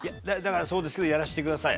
そうですけどやらせてください。